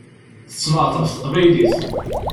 Tettnaɣeḍ ɣef teqbaylit.